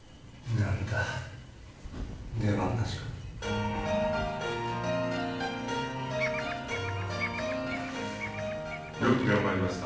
何だ出番なしかよく頑張りました